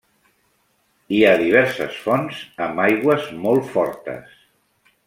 Hi ha diverses fonts amb aigües molt fortes.